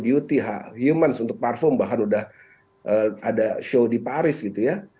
beauty humans untuk parfum bahkan sudah ada show di paris gitu ya